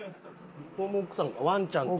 ここも奥さんワンちゃんと。